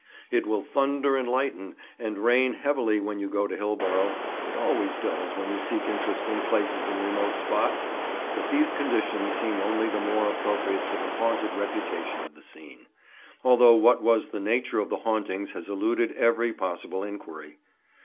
It will thunder and lighten, and rain heavily when you go to Hillborough—it always does when you seek interesting places in remote spots—but these conditions seem only the more appropriate to the haunted reputation of the scene; although what was the nature of the hauntings has eluded every possible inquiry.